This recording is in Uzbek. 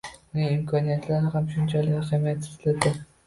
uning imkoniyatlari ham shunchalik ahamiyatsizdir